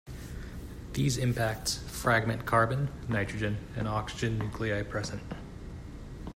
These impacts fragment carbon, nitrogen, and oxygen nuclei present.